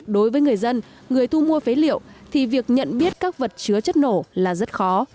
đối với người dân người thu mua phế liệu thì việc nhận biết các vật chứa chất nổ là rất khó